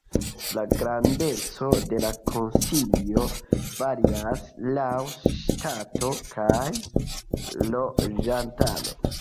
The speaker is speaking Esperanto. La grandeco de la konsilio varias laŭ ŝtato kaj loĝantaro.